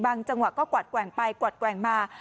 จังหวะก็กวัดแกว่งไปกวัดแกว่งมา